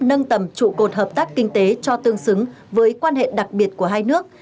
nâng tầm trụ cột hợp tác kinh tế cho tương xứng với quan hệ đặc biệt của hai nước